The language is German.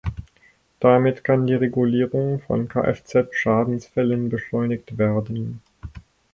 Damit kann die Regulierung von Kfz-Schadensfällen beschleunigt werden.